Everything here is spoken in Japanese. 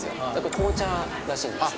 紅茶らしいんですよ